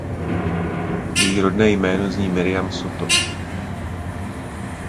Její rodné jméno zní Miriam Soto.